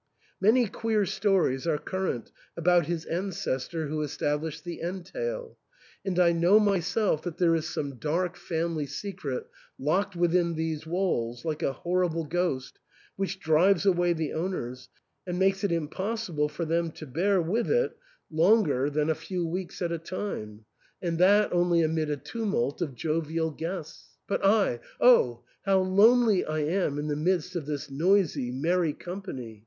Many queer stories are current about his ancestor who estab lished the entail ; and I know myself that there is some dark family secret locked within these walls like a horrible ghost which drives away the owners, and makes it impossible for them to bear with it longer 256 THE ENTAIL. than a few weeks at a time — and that only amid a tumult of jovial guests. But I — Oh ! how lonely I am in the midst of this noisy, merry company